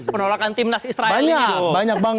penolakan timnas israel banyak